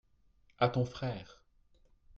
à ton frère.